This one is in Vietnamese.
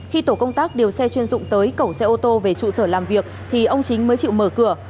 khi tổ công tác điều xe chuyên dụng tới cẩu xe ô tô về trụ sở làm việc thì ông chính mới chịu mở cửa